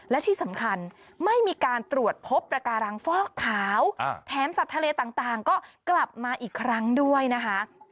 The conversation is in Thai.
และที่สำคัญไม่มีการตรวจพบประการังฟอกขาวแถมสัตว์ทะเลต่างก็กลับมาอีกครั้งด้วยนะคะ